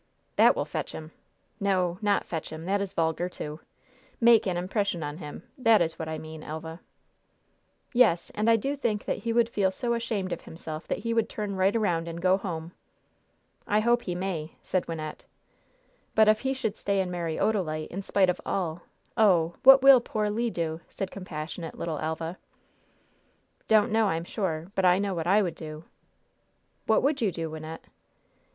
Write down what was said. "That will fetch him! No, not 'fetch him' that is vulgar, too. Make an impression on him that is what I mean, Elva." "Yes; and I do just think that he would feel so ashamed of himself that he would turn right around and go home!" "I hope he may!" said Wynnette. "But if he should stay and marry Odalite, in spite of all, oh! what will poor Le do?" said compassionate little Elva. "Don't know, I'm sure; but I know what I would do." "What would you do, Wynnette?"